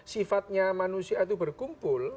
sifatnya manusia itu berkumpul